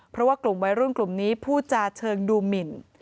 เพราะว่ากลุ่มวัยรุ่นกลุ่มนี้พูดจาเชิงดูหมิน